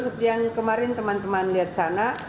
seperti yang kemarin teman teman lihat sana